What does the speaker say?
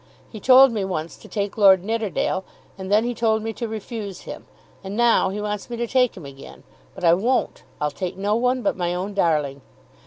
He told me once to take Lord Nidderdale, and then he told me to refuse him. And now he wants me to take him again. But I won't. I'll take no one but my own darling.